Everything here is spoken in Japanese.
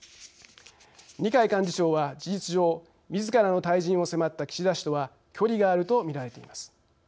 二階幹事長は、事実上みずからの退陣を迫った岸田氏とは距離があるとみられています。